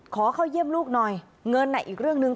ขอเข้าเยี่ยมลูกหน่อยเงินอีกเรื่องหนึ่ง